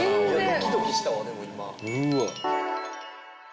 ドキドキしたわ俺もう今うわ！